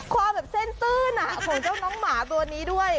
ความแบบเส้นตื้นของเจ้าน้องหมาตัวนี้ด้วย